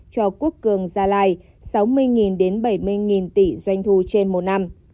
cho quốc cường ra lại sáu mươi bảy mươi tỷ doanh thu trên một năm